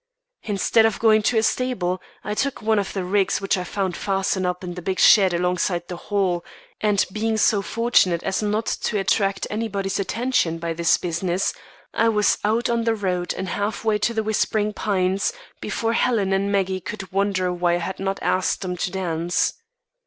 Instead of going to a stable, I took one of the rigs which I found fastened up in the big shed alongside the hall; and being so fortunate as not to attract anybody's attention by this business, I was out on the road and half way to The Whispering Pines, before Helen and Maggie could wonder why I had not asked them to dance.